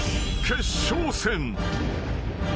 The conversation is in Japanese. ［決勝戦］